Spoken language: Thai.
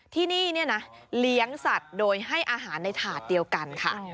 ที่นี่เลี้ยงสัตว์โดยให้อาหารในถาดเดียวกันค่ะ